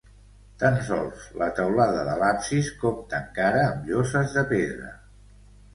Tan sols la teulada de l'absis compta encara amb lloses de pedra.